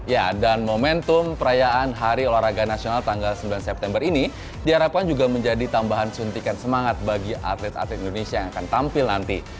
ya dan momentum perayaan hari olahraga nasional tanggal sembilan september ini diharapkan juga menjadi tambahan suntikan semangat bagi atlet atlet indonesia yang akan tampil nanti